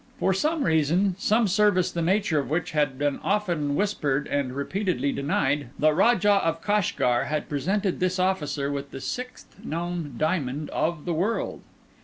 For some reason, some service the nature of which had been often whispered and repeatedly denied, the Rajah of Kashgar had presented this officer with the sixth known diamond of the world.